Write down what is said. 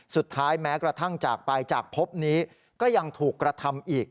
สุดท้ายแม้กระทั่งจากปลายจากพบนี้ก็ยังถูกกระทำอีก